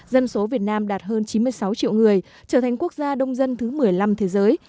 dân số việt nam đạt hơn chín mươi sáu triệu người trở thành quốc gia đông dân thứ một mươi năm thế giới